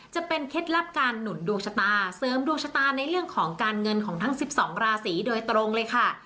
เคล็ดลับการหนุนดวงชะตาเสริมดวงชะตาในเรื่องของการเงินของทั้ง๑๒ราศีโดยตรงเลยค่ะ